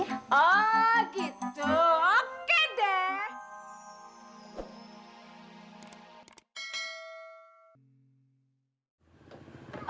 oh gitu oke deh